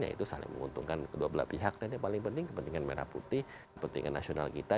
yaitu saling menguntungkan kedua belah pihak dan yang paling penting kepentingan merah putih kepentingan nasional kita